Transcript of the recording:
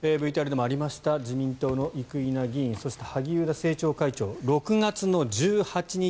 ＶＴＲでもありました自民党の生稲議員そして萩生田政調会長６月１８日